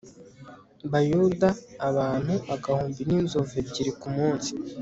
bayuda abantu agahumbi n inzovu ebyiri ku munsi